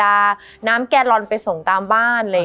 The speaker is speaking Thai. มันทำให้ชีวิตผู้มันไปไม่รอด